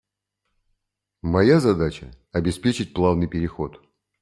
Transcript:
Моя задача – обеспечить плавный переход.